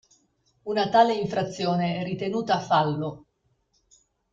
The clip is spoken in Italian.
Una tale infrazione è ritenuta "fallo".